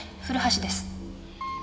古橋です。